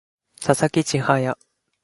佐々木千隼